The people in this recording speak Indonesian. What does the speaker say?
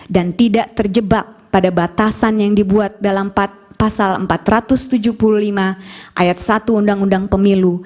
dan tidak terjebak pada batasan yang dibuat dalam pasal empat ratus tujuh puluh lima ayat satu undang undang pemilu